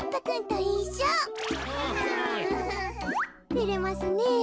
てれますねえ。